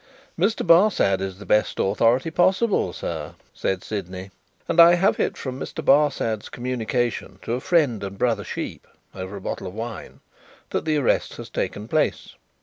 "Mr. Barsad is the best authority possible, sir," said Sydney, "and I have it from Mr. Barsad's communication to a friend and brother Sheep over a bottle of wine, that the arrest has taken place.